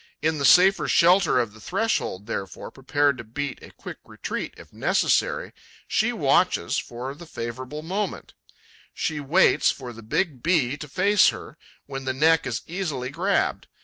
In the safe shelter of her threshold, therefore, prepared to beat a quick retreat if necessary, she watches for the favourable moment; she waits for the big Bee to face her, when the neck is easily grabbed.